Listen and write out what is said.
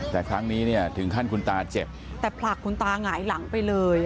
แต่ครั้งนี้เนี่ยถึงขั้นคุณตาเจ็บแต่ผลักคุณตาหงายหลังไปเลย